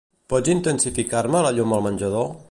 Pots intensificar-me la llum al menjador?